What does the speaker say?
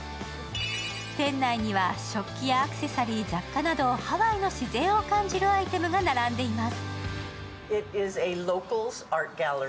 店内には食器やアクセサリー、雑貨などハワイの自然を感じるアイテムが並んでいます。